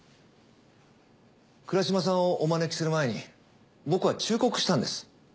倉嶋さんをお招きする前に僕は忠告したんです。